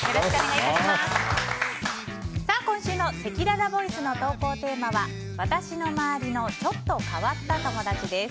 今週のせきららボイスの投稿テーマは私の周りのちょっと変わった友達です。